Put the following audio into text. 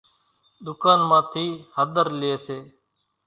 ڌُڪان مان ٿي ھۮر لئي سي،